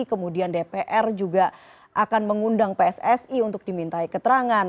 kemudian dpr juga akan mengundang pssi untuk dimintai keterangan